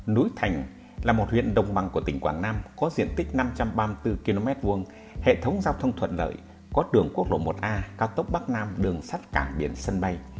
núi thành là một huyện đồng bằng của tỉnh quảng nam có diện tích năm trăm ba mươi bốn km hai hệ thống giao thông thuận lợi có đường quốc lộ một a cao tốc bắc nam đường sắt cảng biển sân bay